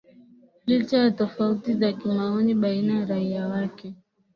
licha ya tofauti za kimaoni baina ya raia wake